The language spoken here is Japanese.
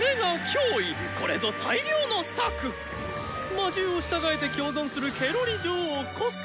魔獣を従えて共存するケロリ女王こそ！